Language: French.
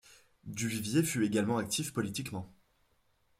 Du Vivier fut également actif politiquement.